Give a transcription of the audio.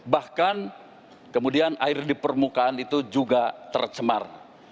bahkan kemudian air di permukaan itu juga tercemar